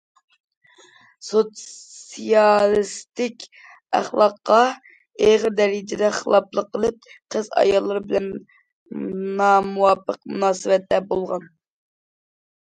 سوتسىيالىستىك ئەخلاققا ئېغىر دەرىجىدە خىلاپلىق قىلىپ، قىز- ئاياللار بىلەن نامۇۋاپىق مۇناسىۋەتتە بولغان.